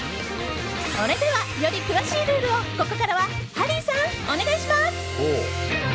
それでは、より詳しいルールをここからはハリーさん、お願いします。